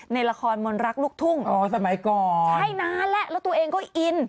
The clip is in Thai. ในละครมนรักลูกทุ่งอ๋อสมัยก่อนใช่นานแล้วแล้วตัวเองก็อิน